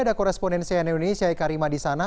ada koresponensi dari indonesia eka rima di sana